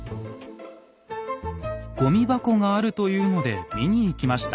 ごみ箱があるというので見に行きました。